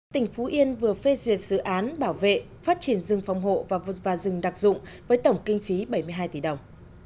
tỉnh phú yên vừa phê duyệt dự án bảo vệ phát triển rừng phòng hộ và vật và rừng đặc dụng với tổng kinh phí bảy mươi hai tỷ đồng